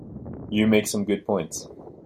You make some good points.